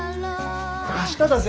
明日だぜ？